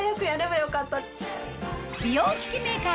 美容機器メーカー